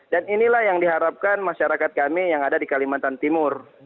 dan inilah yang diharapkan masyarakat kami yang ada di kalimantan timur